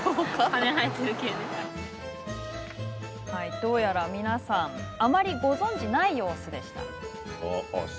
どうやら皆さんあまりご存じない様子。